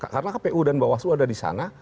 karena kpu dan bawaslu ada disana